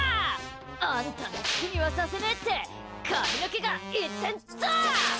あんたの好きにはさせねえって髪の毛が言ってんぞ！